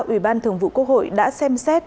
ủy ban thường vụ quốc hội đã xem xét